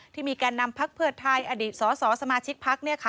มีการนำพักเพื่อไทยอดีตสสสมาชิกพัก